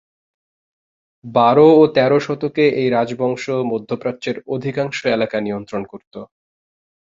বার ও তের শতকে এই রাজবংশ মধ্যপ্রাচ্যের অধিকাংশ এলাকা নিয়ন্ত্রণ করত।